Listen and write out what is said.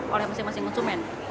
oleh masing masing konsumen